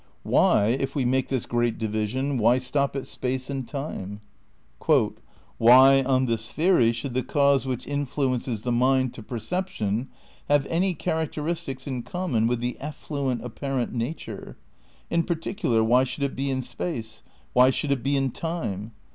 Why, if we make this great division, why stop at space and time? "Why — on this theory — should the cause which influences the mind to perception have any characteristics in common with the effluent apparent nature? In particular, why should it be in space? Why should it be in time?